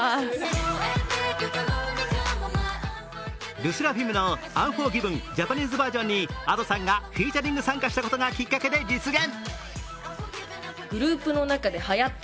ＬＥＳＳＥＲＡＦＩＭの「ＵＮＦＯＲＧＩＶＥＮ−Ｊａｐａｎｅｓｅｖｅｒ．−」にＡｄｏさんがフィーチャリング参加したことがきっかけで実現。